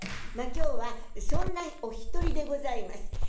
まあ今日はそんなお一人でございます。